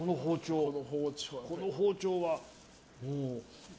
この包丁は。